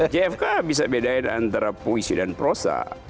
jfk bisa bedain antara puisi dan prosa